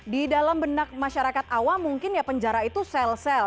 di dalam benak masyarakat awam mungkin ya penjara itu sel sel